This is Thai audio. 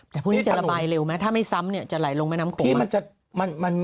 แต่พรุ่งนี้จะระบายเร็วไหมถ้าไม่ซ้ำเนี่ยจะไหลลงแม่น้ำโขง